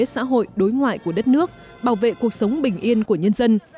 xã hội đối ngoại của đất nước bảo vệ cuộc sống bình yên của nhân dân